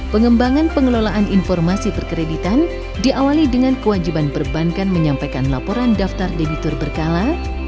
pengembangan pengelolaan informasi perkreditan diawali dengan kewajiban perbankan menyampaikan laporan daftar debitur berkala